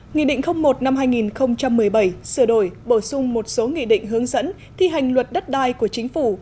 nghị định một năm hai nghìn một mươi bảy sửa đổi bổ sung một số nghị định hướng dẫn thi hành luật đất đai của chính phủ